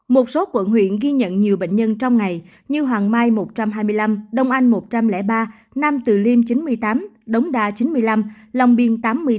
một số quận huyện ghi nhận nhiều bệnh nhân trong ngày như hoàng mai một trăm hai mươi năm đông anh một trăm linh ba nam từ liêm chín mươi tám đống đa chín mươi năm lòng biên tám mươi tám